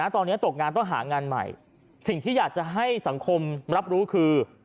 ตอนนี้ตกงานต้องหางานใหม่สิ่งที่อยากจะให้สังคมรับรู้คือ